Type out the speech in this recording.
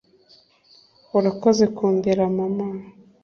urakoze kundera, mama ...